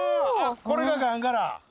これがガンガラ。